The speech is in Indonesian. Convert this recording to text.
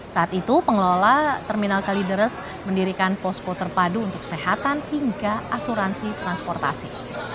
saat itu pengelola terminal kalideres mendirikan posko terpadu untuk kesehatan hingga asuransi transportasi